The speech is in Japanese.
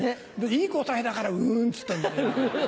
いい答えだから「うん」っつったんだよ今。